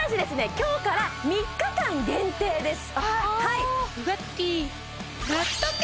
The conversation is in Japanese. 今日から３日間限定です